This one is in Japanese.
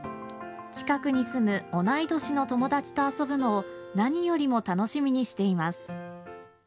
近くに住む同い年の友達と遊ぶのを何よりも楽しみにしています。